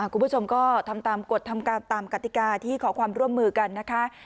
คุณผู้ชมก็ทำตามกฎทำการตามกติกาที่ขอความร่วมมือกันนะคะ